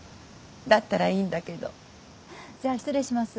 だったらいいんだけど。じゃあ失礼します。